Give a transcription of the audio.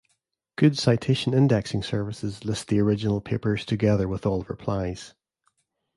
Good citation indexing services list the original papers together with all replies.